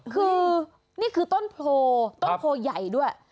คือนี่คือต้นโพต้นโพใหญ่ด้วย